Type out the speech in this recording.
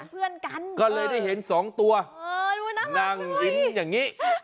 เพื่อนกันก็เลยได้เห็นสองตัวนั่งลิ้นอย่างนี้